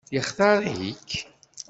Yextaṛ-ik?